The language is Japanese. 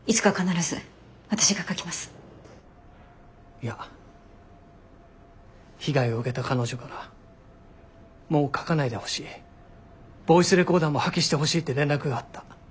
いや被害を受けた彼女からもう書かないでほしいボイスレコーダーも破棄してほしいって連絡があった。